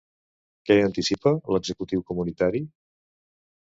Què anticipa l'executiu comunitari?